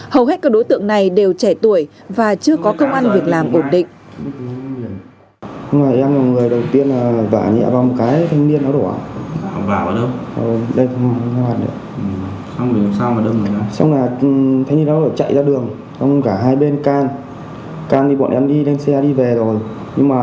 hầu hết các đối tượng này đều trẻ tuổi và chưa có công an việc làm ổn định